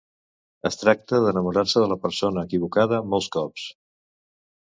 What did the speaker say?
Es tracta d'enamorar-se de la persona equivocada molts cops.